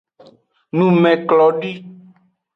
Numeklodi.